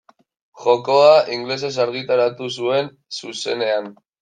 Jokoa ingelesez argitaratu zuen zuzenean.